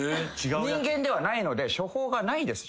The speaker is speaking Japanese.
「人間ではないので処方がないです